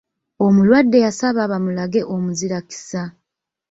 Omulwadde yasaba bamulage omuzira kisa.